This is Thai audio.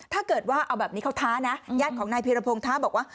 ถ้าเกิดว่าเอาแบบนี้เขาท้านะญาติของนายพีรพงศ์ท้าบอกว่า